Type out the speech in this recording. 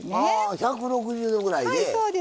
１６０度ぐらいで。